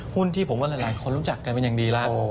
ที่ผมว่าหลายคนรู้จักกันเป็นอย่างดีแล้ว